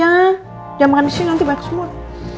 jangan makan di sini nanti banyak semut